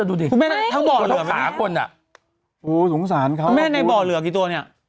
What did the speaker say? วันนี้๑๙ตัวแล้วตายไปกี่ตัว